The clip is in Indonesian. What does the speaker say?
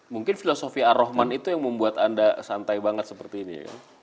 mungkin filosofi ar rahman itu yang membuat anda santai banget seperti ini